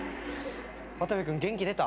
渡部君元気出た？